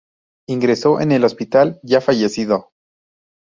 Ingresó en el hospital ya fallecido.